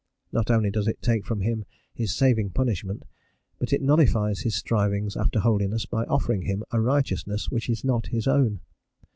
Not only does it take from him his saving punishment, but it nullifies his strivings after holiness by offering him a righteousness which is not his own.